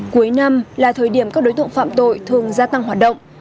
cuối năm là thời điểm các đối tượng phạm tội thường gia tăng hoạt động